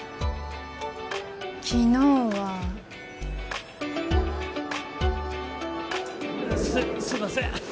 昨日はすいませんっ